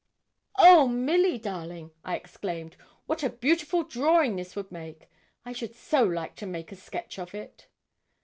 'Oh, Milly darling!' I exclaimed, 'what a beautiful drawing this would make! I should so like to make a sketch of it.'